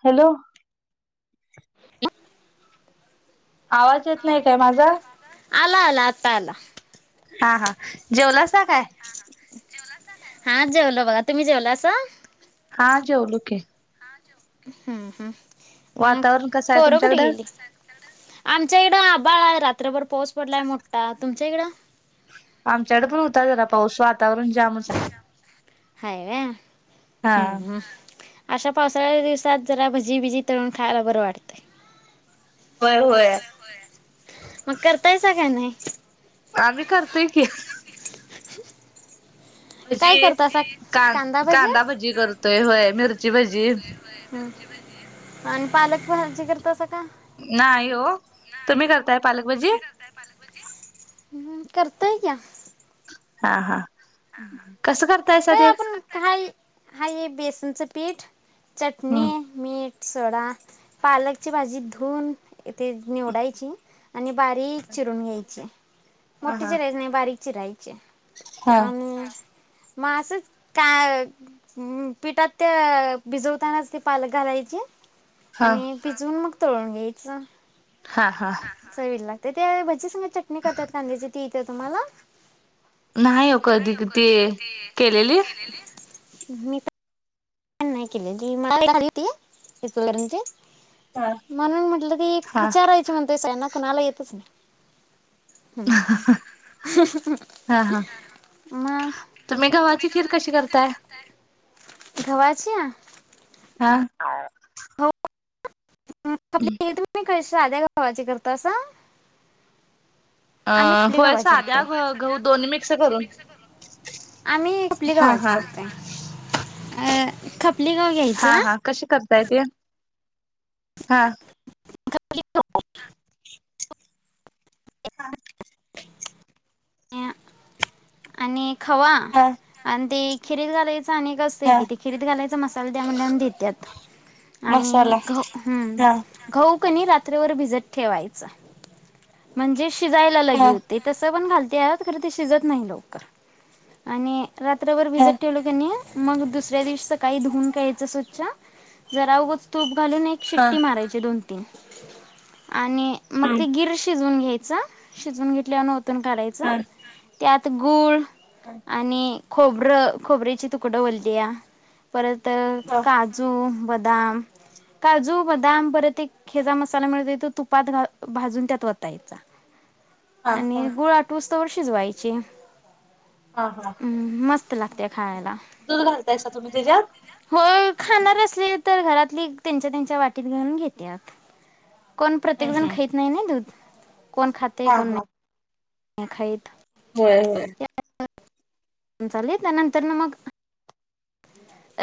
Hello, [inaudible] आवाज येत नाही. काय माझा आला, आला आता आला, हा हा जेवलासा काय? हा जेवलो, बघा तुम्ही जेवलासा, हा जेवलो की, हम्म हम मग वातावरण कसं आहे पोरं कुठे तुमच्याकडं? गेली, आमच्या इकडे आभाळ रात्रभर पाऊस पडलाय, मोठा तुमच्या इकडं, आमच्याकडे पण होता. जरा पाऊस वातावरण जामच आहे. हाय व्हय. हा हम, हम, अशा पावसाळ्यात दिवसात जरा भजीबिजी तळून खायला बरं वाटतय. होय होय मग, करतायसा का नाही. आम्ही करतोय की, काय भजी करतासा कां कांदा भजी करतोय, होय मिरची भजी. आणि पालक भाजी करतासा काय? नाही, हो तुम्ही करताय पालकभजी. हम्म करतोय की, हा हा, कसं करतायसा काय ते? आपण हाय, हे बेसनच पीठ चटणी, हम्म मीठ सडा, पालकची भाजी धुवून इथे निवडायची. आणि बारीक चिरून घ्यायची, हा मोठे हा चिरायच नाही, बारीक चिरायचे, हा, माझं असंच का पिठात ते भिजवतानाच ते पालक घालायचे, हा आणि पिजे मग तोण घ्यायचं.. हा हा... चवीला लागते ते त्याज स [unintelligible] चटणी करतात कांद्याची.. ती येते तुम्हाला... नाही कधी किती केलेली... मी तर नाही केले त मली इूनची.. हा म्हणून म्हटलं की हा विचारायच म्हणते सगळयांना.... कोणाला येतच ना हा हा मग तुम्ही गव्हाची खीर कशी करताय, घेवाचीया.... हा... हो.... आपी क.... साध्या गव्हाची करत अस... अ होय साध्या गह गव्ह दोन् मिक्स करून आम्ही खपली हा गव्हाची हा खप ललेगाव घ्यायचा... काय ते हा... इ [unintelligible] एक [unintelligible] हा [unintelligible] अनेक.... खवा हा आणि ते... खिर झाले... हा खिरीत घालायचा मसाला द्या म्हणलं की देत्यात आणि मसाला ते गहू हा गहू कणी रात्री.. रात्रभर भिजत ठेवायचं म्हणजे... शिजायला हा लागेल ते कसं पण घालतात. त्यात खरं ते शिजत नाही लवकर आणि.. रात्रभर हा हा भिजत ठेवल कनि... मग दुसऱ्या दिवशी सकाळी धुऊून घ्यायचं स्वच्छ जरा उघच तू... घालून एक हा शिट्टी मारायची दोन... [unintelligible] आणि मग ते गिर शिज शिजवून घेयचं शिजवून घेतल्यावर ओतून गार हा त्यात गुळ आणि खोबरं खोबऱ्याची तुकडं ओल्ल्या परत तर हा काजू बदा दाम काजू, बदाम परत एक हे जा मसाला म्ह तो तुपात घा भाजून त्यात वतायचा. हा हा तोवर शिजवायची. हा हम्म मस् त लागत्यात. खायला दूध घालतायसा तुम्ही त्याच्यात होय खाणार असले तर घरातली त्यांच्या त्यांच्या वाटीत घालून घेत्यात. कोण प्रत्येक हम्म जण हम्म खाईत नाही ना दूध. कोण खातंय हा कोण नाय् हा खाय होय होय चालेल ना नंतर ना मग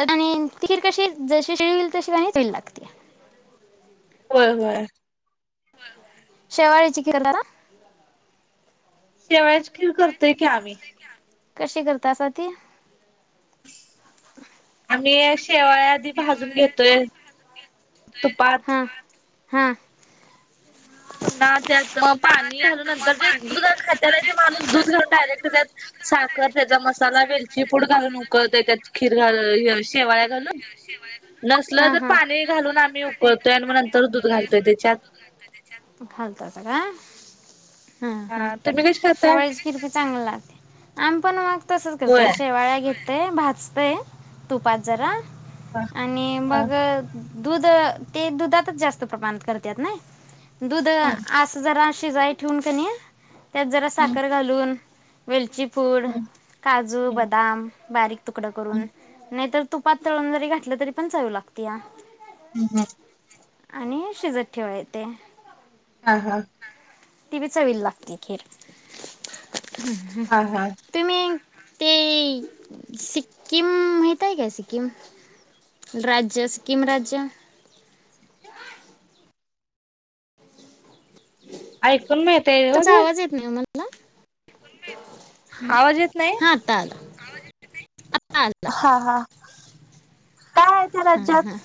आणि [unintelligible] कशी जशी [unintelligible] होईल तशी [unintelligible] लागते. होय होय शेवाळ्याची खीर [unintelligible] शेवाळ्याची खीर करतोय की आम्ही. कशी करतासा ती? आम्ही शेवाया आधी भाजून घेतोय तुपात. हा हा पुन्हा त्यात म पाणी घालून नंतर जे दुध खात्याला ते माणूस दूध घालून डायरेक्ट त्यात साखर त्याजा मसाला वेलचीपूड घालून उकळत त्यात खीर घाल शेवाळ्या घालू नसलं हा तर हा पाणी घालून आम् मी उकळतोय आणि मग नंतर दूध घालतोय त्याच्यात. घालतासा का? हा तुम्ही कशी क शेवाळ्याची खीर बी चांगली लागते आम पण तसंच होय करतोय शेवाळ्या घेत ते भाजतोय तूपात जरा हा आणि हा मग दुध ते दुधातच जास्त प्रमाणात करत्यात नय दुध आस जरा शिजायच ठेूउनकानी त्यात जरा सा हम्म वेलची फूड, काजू, हम्म बदाम, बारीक तुकडा करून नाहीतर तुपात तळून जरी घातलं तरी पण चाऊ लागतीया. हम्म हम्म. आणि शिजत ठेवा येतय हा हा. तीबी चवीला लागत्या खीर. हा हा ते मी ते सिक्कीम माहितय का सिक्कीम राज्य सिक्कीम राज्य ऐकून माहीताय ह आवाज येत नाही [unintelligible] हा आत्ता आलो. हा हा. काय आहे त्या हा राज्यात हा.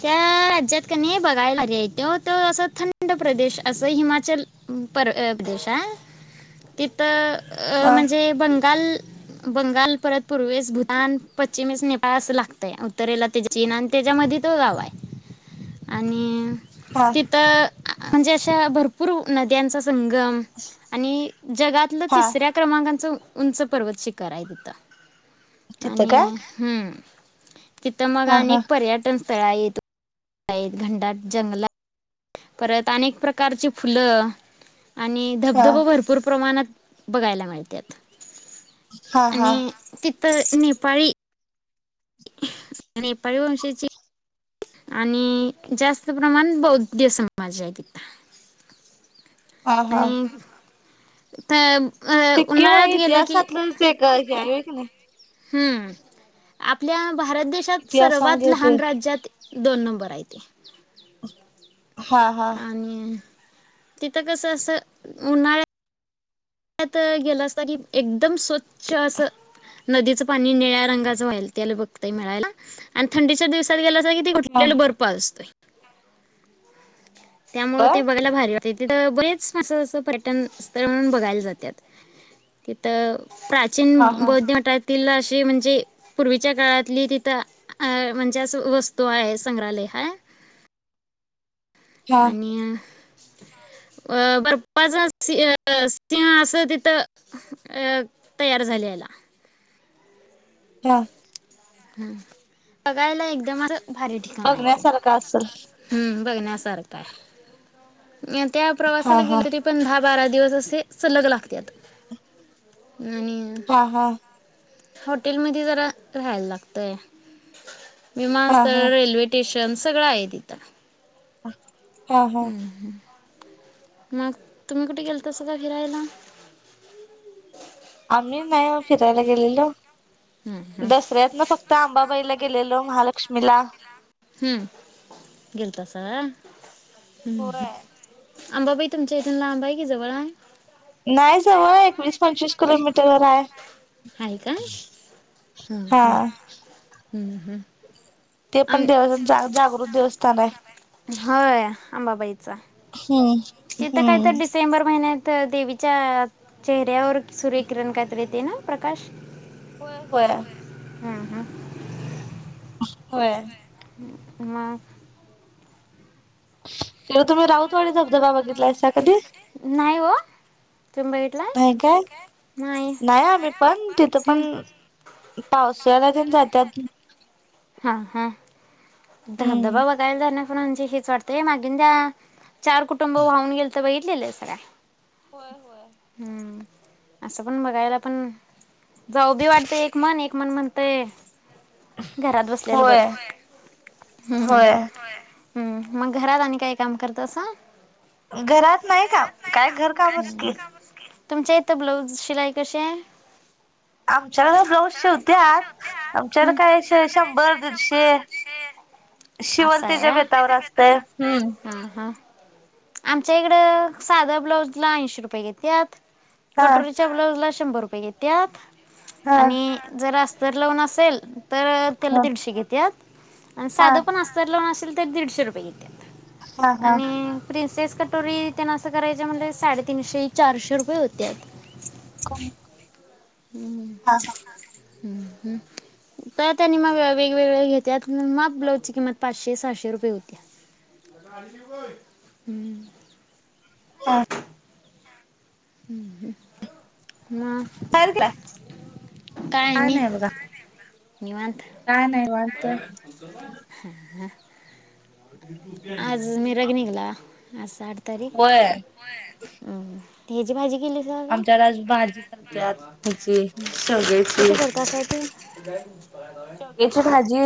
त्या राज्यात कनी बघायलागेल असं थंड प्रदेश असं हिमाचल पर प्रदेश आहे तिथं अ हा म्हणजे बग काल बंगाल परत पूर्वेस भूतान, पश्चिमेस नेपाळ. तास लागत आहे उत्तरेला त्याच्या चीन आणि त्याच्यामध्ये तो गाव आहे आणि हा तिथं अ. आ आ म्हणजे अशा भरपूर नद्यांचा स संगम आणि जगातलं हा तिसऱ्या क्रमांकाचं उंच पर्वत शिखर आहे तिथं. तिथ का? आणि हम्म तिथं मग अनेक पर्यटन तळा येत घंडाट जंगलात परत अनेक प्रकारची फुलं. आणि हा धबधब भरपूर प्रमाणात बघायला मा मिळत्यात. हां हां. तर नेपाळी नेपाळी वंशची. आणि जास्त प्रमाण बौद्ध समाज आहे तिथ. हां हां. त सिक्कीम हे इतिहासातलच एक हे आहे. [unintelligible] हम्म आपल्या भारत देशात सर्वांत इतिहासामध्ये लहान होते. राज्य ते. दोन नंबर आय ते. [inaudible] हां हां. आणि तिथं कसं असं उन्हाळ्यात त गेलं असता की एकदम स्वच्छ च्छ असं. नदीचं पा नी निळ्या रंगाचं व्हाय त्याल बघ. मिळायला अन थंडीच्या दिवसात गेल असं त तिथे हा घुटलेल बर्फ असतय. त्यामुळं ते बर बघायला भारी वाट तिथं बरेच अस स पर्यटन स्थळ म्हणून बघायल जात्यात तिथं अ प्राचीन हा हा बौद्ध मटातील अश ते म्हंजे पूर्वीच्या काळातली तिथं अ म्हंजे असं वस्तू आहे संग्रहालय हं हा आणि. अ बर्फचाच सि अ [unintelligible] अस तिथं अ तयार झालेला. हां. ह बघायला एकदम असं भारी ठिकाणं आहे ते बघण्यासारखा असेल हम्म बघण्यासारखं आय. त्या हा प्रवासाला गेली हा होती पण भा बारा दिवस असे सलग लागत्यात. आणि हा हा अ हॉटेलमध्ये जरा राहाय लागतंय. हा हा विमानस्थळ रेल्वे टेशन सगळ आहे तिथं. हम. हम्म हम्म. मग तुम्ही कुठे गेलतासा फिरायला? आम्ही नाही फिरायला गेलेलो. हम्म हम्म दसऱ्यात ना फक्त आंबाबाईला गेलेलो महालक्ष्मी मला हम्म गेलतासा व्हय? हम्म होय. अंबाबाई तुमच्या इथून लांब आहे की जवळ हाय नाही जवळाय एकवीस पंचवीस किलोमीटर वर आहे. हाय का? ह ह. हा. हम्म हम्म. ते पण आम देवस्थान जागृत देवस्थान हाय. होय अंबाबाईचा तिथं काय तर हम्म डिसेंबर महिन्यात. तर देवीच्या चेहऱ्यावर सूर्यकिरण काहीतरी येतंय ना प्रकाश होय होय. हम्म हम्म. होय. मग? मग तुम्ही राऊतवाडी धबधबा बघितलाय? कधी नाही हो तुम्ही बघितलाय नाही काय नाही आम्ही पण तिथं पण हम्म पावसाळ्याला जात्यात हा हा. दब हम्म. दबा वगायल जाना. प्रणची हीच वाटतेय मागिद्या. चार कुटुंब वाहून गेलंत बाई. दिलसर. होय होय. असं पण बघायला, पण जाऊ बी वाटते एक मन एक मन म्हणतय. घरात बसलेलं बर होय होय हम्म. हम्म मग घरात आणि काय काम करत असं. घरात नाही काम काय घरकामच की. तुमच्या इथं ब्लाऊज शिलाई कशी आहे. आमच्याला का बऊज शिवत्यात आमच्याला काय अ शी. शंभर दीडशे असं आहे शिवलतेच्या व्हय. बेतावर असतय हम्म. हा हा आमच्या इकडं साधं ब्लाऊज ला ऐंशी रुपये घेतेत. हा कटोरीच्या ब्लाउज ला शंभ शंभर रुपये घेत्यात. हा आणि जरा अस. तर लग्न असेल. तर त्याला हा दीडशे घेत्यात. आणि हा साधं पण अस्तर लवत तरी ते दिडशे रुपय घेते हा हा आणि प्रिंस. तेच कटोरी त्यांना असं करायच्या म्हणज साडेतीनशे चारशे रुपये होत्यात. कोणी. हा हा. हम्म हम्म. तर त्यांनी मग वेगवेगळ्या घेत्यात, मग ब्लाउजची किंमत पाचशे सहाशे रुपये होती. हा. हम्. का [unintelligible] का नाही ब का निवनत. काय नाही वाणत. आज मिरग निघाला. आ साठ तारीख होय. तेजी माजी का क आमच्याकडे आज भाजी करत्यात ह्याची करता ते च भाजी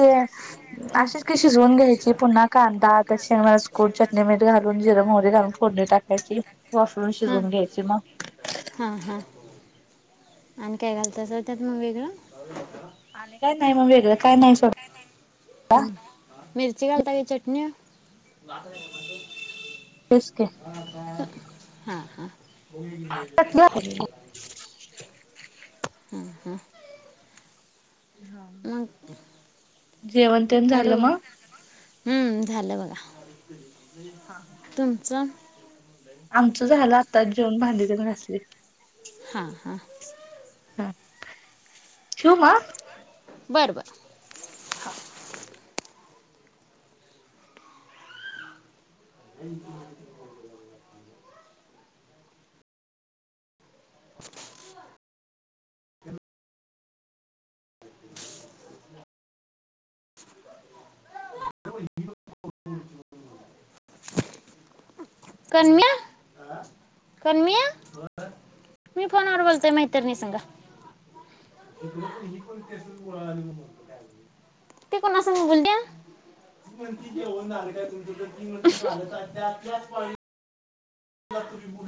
हां अशीच की शिजवून घ्यायची पुन्हा कांदा त्या मसकूट चटणी मर घालून जिर मोरी घालून फोडणी टाकायची वाफरून हां शिजवून घ्यायची मग हां हां आणि काय घालत असं त्यात मग वेगळं आणि काय नाही मग वेगळं काय नाही सड मिर्ची घालता का चटन तेच की हा हा हा हम हम हा जेवण तेण काय झालं डोर मग हम्म झालं बघा हा हा तुमचं? आमचं झायला आताच जेवण भांडी तेन घासलय. हां हां हम्म ठेवु मगं? बरं बरं. हा. [unintelligible] [unintelligible] कणमया! कणमया! मी फोनवर बोलतोय मैत्रिणीं संग, ती कोणा अस बोल त्या?